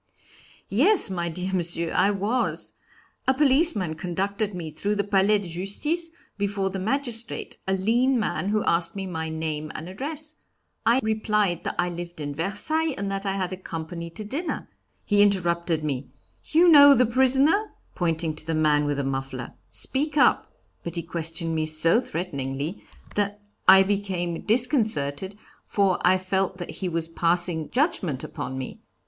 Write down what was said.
"Yes, my dear Monsieur, I was. A policeman conducted me through the Palais de Justice, before the magistrate, a lean man, who asked me my name and address. I replied that I lived in Versailles, and that I had company to dinner; he interrupted me, 'You know the prisoner?' pointing to the man with the muffler, 'Speak up.' But he questioned me so threateningly that I became disconcerted, for I felt that he was passing judgment upon me.